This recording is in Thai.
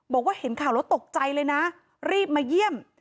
บอกว่าเห็นข่าวแล้วตกใจเลยนะรีบมาเยี่ยม